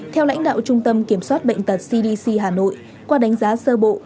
theo lãnh đạo trung tâm kiểm soát bệnh tật cdc hà nội qua đánh giá sơ bộ